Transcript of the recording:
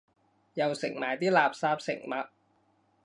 又食埋啲垃圾食物